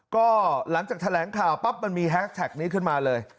ก็หลังจากแถลงข่าวปั๊บมันมีแฮชแท็กนี้ขึ้นมาเลย